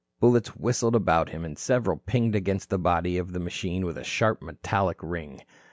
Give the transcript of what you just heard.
Bullets whistled about him, and several pinged against the body of the machine with a sharp metallic ring.